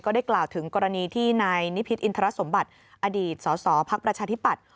ก็ได้กล่าวถึงกรณีที่ในนิพิธิ์อินทรสมบัติอดีตสสภักดิ์ประชาธิปัตธ์